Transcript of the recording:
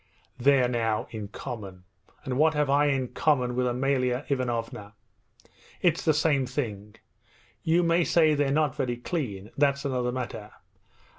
'There now! In common! And what have I in common with Amalia Ivanovna? It's the same thing! You may say they're not very clean that's another matter...